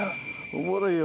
おもろいよ